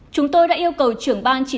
chúng tôi đã yêu cầu trưởng ban chỉnh